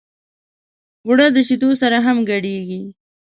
اوړه د شیدو سره هم ګډېږي